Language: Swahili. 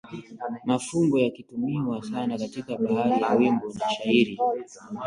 mafumbo yakitumiwa sana katika bahari ya wimbo na shairi